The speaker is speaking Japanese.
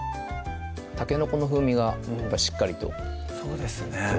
たけのこの風味がしっかりとそうですね